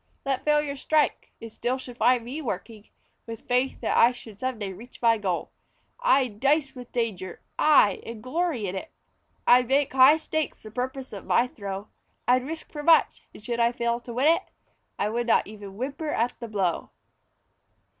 Let failure strike it still should find me working With faith that I should some day reach my goal. I'd dice with danger aye! and glory in it; I'd make high stakes the purpose of my throw. I'd risk for much, and should I fail to win it, I would not even whimper at the blow.